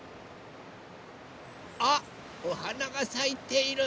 あっおはながさいている。